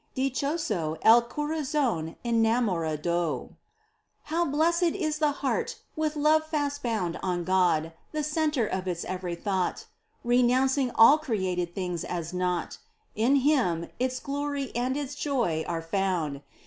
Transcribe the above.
Dichoso el corazón enamorado. How blessed is the heart with love fast bound On God, the centre of its every thought ! Renouncing all created things as naught, In Him its glory and its joy are found.